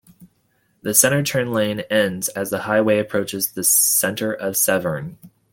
The center turn lane ends as the highway approaches the center of Severn.